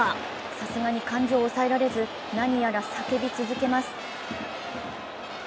さすがに感情を抑えきれず、何やら叫び続けます。